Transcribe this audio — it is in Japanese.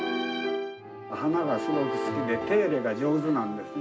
花がすごく好きで、手入れが上手なんですね。